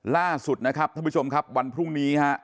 ล่าสุดนะครับท่านผู้ชมครับวันพรุ่งนี้ฮะ